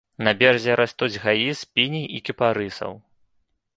На беразе растуць гаі з піній і кіпарысаў.